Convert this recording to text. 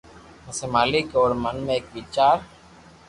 پسي مالڪ اي اوري من ۾ ايڪ ويچار